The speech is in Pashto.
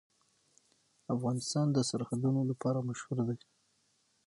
افغانستان د سرحدونه لپاره مشهور دی.